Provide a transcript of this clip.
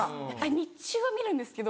日中は見るんですけど。